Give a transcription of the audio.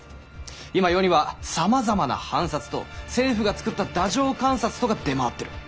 今世にはさまざまな藩札と政府が作った太政官札とが出回ってる。